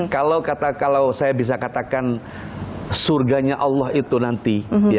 kalau saya bisa katakan surganya allah itu nanti